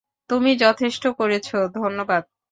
তুমি যথেষ্ট করেছ, ধন্যবাদ।